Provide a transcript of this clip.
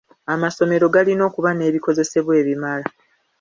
Amasomero galina okuba n'ebikozesebwa ebimala.